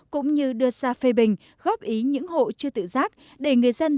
cũng như đưa ra phê bình góp ý những hộ chưa tự giác để người dân